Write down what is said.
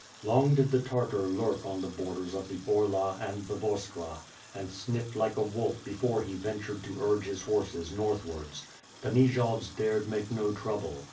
Long did the Tartar lurk on the borders of the Orla, and the Vorskla, and sniffed like a wolf before he ventured to urge his horses northwards. The Nijovs dared make no trouble.